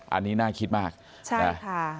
อันนี้น่าคิดมากใช่ค่ะ